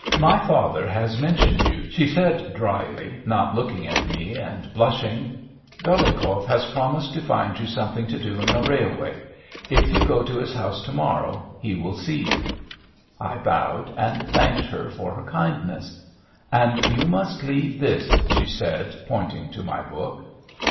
"My father has mentioned you," she said drily, not looking at me and blushing.... "Dolyhikov has promised to find you something to do on the railway. If you go to his house to morrow, he will see you." I bowed and thanked her for her kindness. "And you must leave this," she said, pointing to my book.